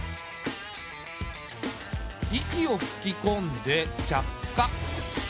息を吹き込んで着火。